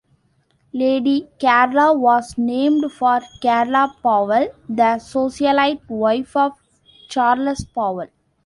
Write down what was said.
Lady Carla was named for Carla Powell, the socialite wife of Charles Powell.